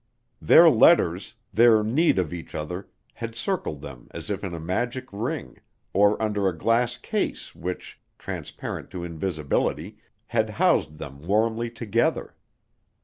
Their letters, their need of each other, had circled them as if in a magic ring, or under a glass case which, transparent to invisibility, had housed them warmly together.